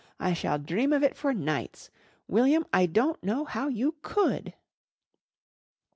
I shall dream of it for nights. William, I don't know how you could!"